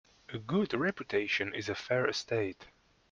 A good reputation is a fair estate.